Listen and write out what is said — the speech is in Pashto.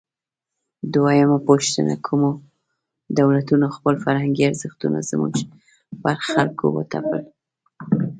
دویمه پوښتنه: کومو دولتونو خپل فرهنګي ارزښتونه زموږ پر خلکو وتپل؟